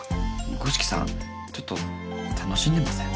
五色さんちょっと楽しんでません？